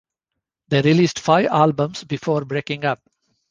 They released five albums before breaking up.